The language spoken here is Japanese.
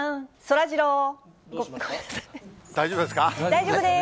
大丈夫です。